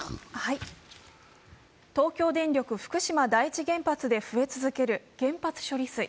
東京電力福島第一原発で増え続ける原発処理水。